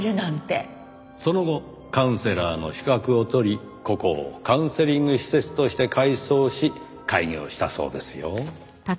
その後カウンセラーの資格を取りここをカウンセリング施設として改装し開業したそうですよ。